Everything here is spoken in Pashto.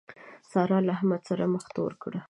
سارا له احمد سره مخ تور کړ.